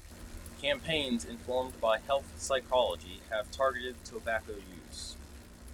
Campaigns informed by health psychology have targeted tobacco use.